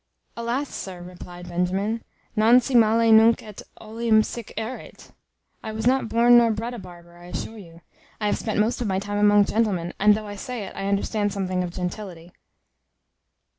"Alas! sir," replied Benjamin, "Non si male nunc et olim sic erit. I was not born nor bred a barber, I assure you. I have spent most of my time among gentlemen, and though I say it, I understand something of gentility.